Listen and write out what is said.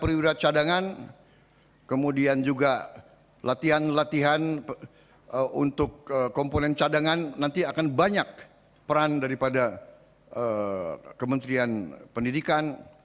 perwira cadangan kemudian juga latihan latihan untuk komponen cadangan nanti akan banyak peran daripada kementerian pendidikan